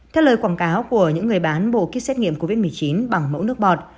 theo lời quảng cáo của những người bán bộ kit xét nghiệm covid một mươi chín bằng mẫu nước bọt